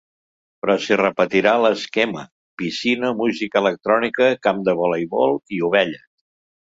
Però s’hi repetirà l’esquema: piscina, música electrònica, camp de voleibol i ovelles.